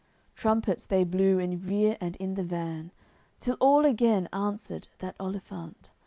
Trumpets they blew in rear and in the van, Till all again answered that olifant.